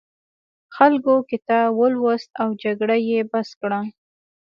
خلکو کتاب ولوست او جګړه یې بس کړه.